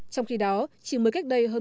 trong khi đó chỉ mới cách đây hơn một tháng